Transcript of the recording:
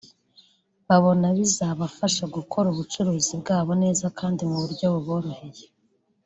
babona bizabafasha gukora ubucuruzi bwabo neza kandi mu buryo buboroheye